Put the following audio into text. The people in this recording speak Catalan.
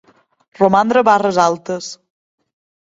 Romandre barres altes.